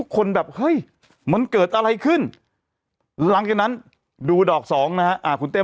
คนแบบเฮ้ยมันเกิดอะไรขึ้นหลังจากนั้นดูดอกสองนะฮะคุณเต้